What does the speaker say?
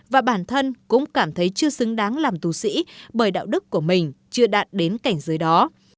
và bản thân cũng cảm thấy chưa xứng đáng làm tù sĩ bởi đạo đức của mình chưa đạt đến cảnh giới đó